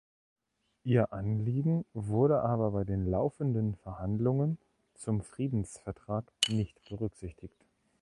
Ihr Anliegen wurde aber bei den laufenden Verhandlungen zum Friedensvertrag nicht berücksichtigt.